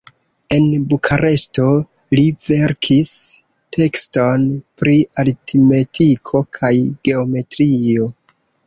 En Bukareŝto li verkis tekston pri aritmetiko kaj geometrio.